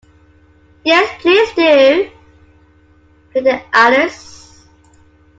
‘Yes, please do!’ pleaded Alice.